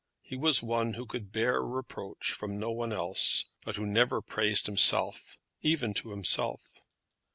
He was one who could bear reproach from no one else, but who never praised himself even to himself.